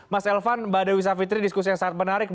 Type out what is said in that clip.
mas elvan mbak dewi savitri diskusi yang sangat menarik